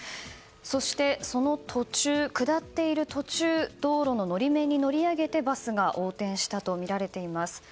そして、下っている途中道路の法面に乗り上げてバスが横転したとみられています。